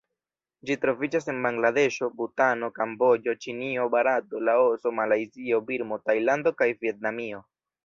Ĝi troviĝas en Bangladeŝo, Butano, Kamboĝo, Ĉinio, Barato, Laoso, Malajzio, Birmo, Tajlando kaj Vjetnamio.